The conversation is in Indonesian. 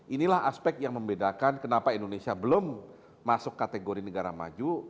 inilah aspek yang membedakan kenapa indonesia belum masuk kategori negara maju